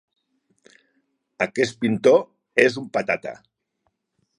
Aquest pintor és un patata.